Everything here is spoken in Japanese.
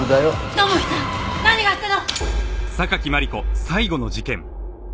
土門さん何があったの！？